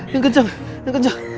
yang kenceng yang kenceng